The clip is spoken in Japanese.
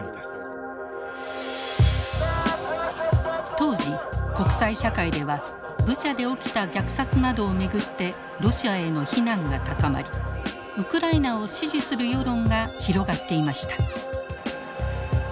当時国際社会ではブチャで起きた虐殺などを巡ってロシアへの非難が高まりウクライナを支持する世論が広がっていました。